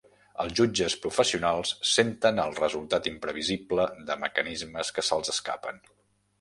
Els jutges professionals senten el resultat imprevisible de mecanismes que se'ls escapen.